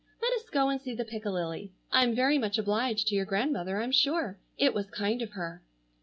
Let us go and see the piccalilli. I'm very much obliged to your grandmother, I'm sure. It was kind of her."